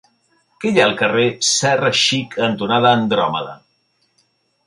Què hi ha al carrer Serra Xic cantonada Andròmeda?